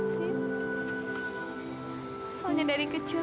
sebabnya dari kecil